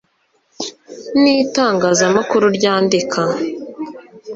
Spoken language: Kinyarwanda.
n’itangazamakuru ryandika